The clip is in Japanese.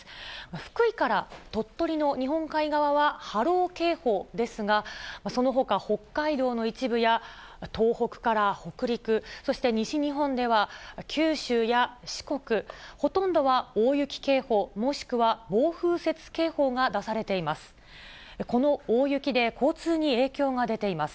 福井から鳥取の日本海側は波浪警報ですが、そのほか北海道の一部や、東北から北陸、そして西日本では九州や四国、ほとんどは大雪警報、もしくは暴風雪警報が出されています。